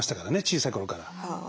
小さい頃から。